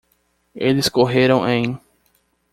Eles correram em